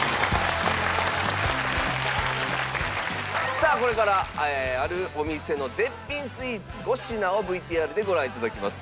さあこれからあるお店の絶品スイーツ５品をＶＴＲでご覧いただきます。